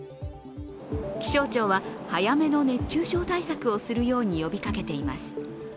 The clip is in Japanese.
気象庁は早めの熱中症対策をするように呼びかけています。